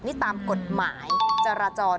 นี่ตามกฎหมายจราจร